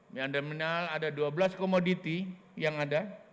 yang ada dua belas komoditi yang ada